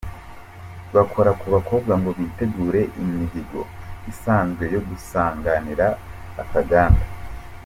Bakora ku bakobwa ngo bitegure imihigo isanzwe yo gusanganira Akaganda.